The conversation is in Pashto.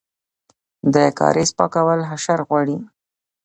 د کاریز پاکول حشر غواړي؟